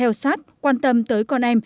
cần có sự theo sát quan tâm tới con em